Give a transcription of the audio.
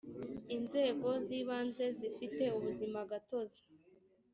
inzego z’ibanze zifite ubuzimagatozi